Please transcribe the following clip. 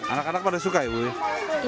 anak anak pada suka ya bu ya